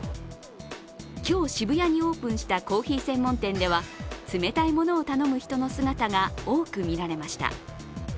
今日渋谷にオープンしたコーヒー専門店では冷たいものを頼む人の姿が多く見られました。